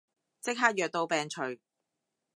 即刻藥到病除